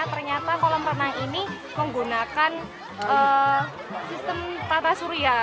ternyata kolam renang ini menggunakan sistem tata surya